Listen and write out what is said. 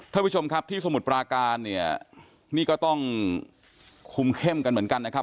ท่านผู้ชมครับที่สมุทรปราการเนี่ยนี่ก็ต้องคุมเข้มกันเหมือนกันนะครับ